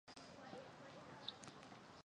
玛姬是一个十几岁的不良少女。